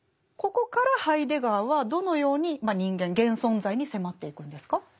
ここからハイデガーはどのようにまあ人間現存在に迫っていくんですか？